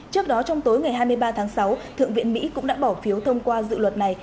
trước đó trong tối ngày hai mươi ba tháng sáu thượng viện mỹ cũng đã bỏ phiếu thông qua dự luật này